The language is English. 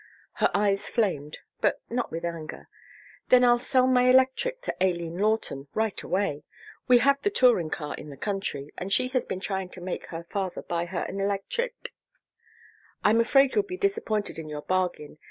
Her eyes flamed, but not with anger. "Then I'll sell my electric to Aileen Lawton right away. We have the touring car in the country, and she has been trying to make her father buy her an electric " "I'm afraid you'll be disappointed in your bargain.